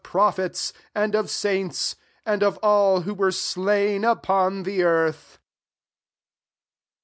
prophets^ and*of saints, and of all ivho were slain upon the earth.''